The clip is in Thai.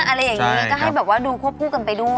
อะไรอย่างนี้ก็ให้แบบว่าดูควบคู่กันไปด้วย